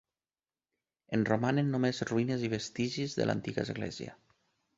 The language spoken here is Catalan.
En romanen només ruïnes i vestigis de l'antiga església.